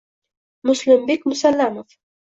Muslimbek Musallamov